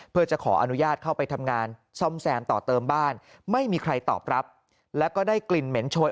เพื่อจะขออนุญาตเข้าไปทำงานซ่อมแซมต่อเติมบ้านไม่มีใครตอบรับแล้วก็ได้กลิ่นเหม็นโชย